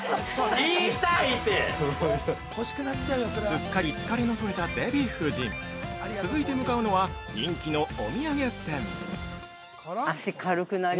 ◆すっかり疲れの取れたデヴィ夫人、続いて向かうのは人気のお土産店。